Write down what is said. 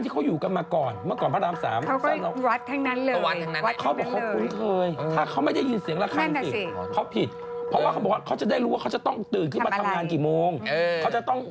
ถ้าเขาไม่ได้ยินเสียงละครับเขาผิดเพราะว่าเขาจะได้รู้ว่าเขาจะต้องตื่นขึ้นมาทำงานกี่โมง